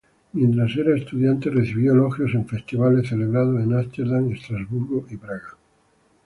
Mientras era estudiante, recibió elogios en festivales celebrados en Amsterdam, Estrasburgo y Praga.